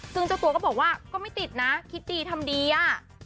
ซึ่งเจ้าตัวก็บอกว่าก็ไม่ติดนะคิดดีทำดีอ่ะ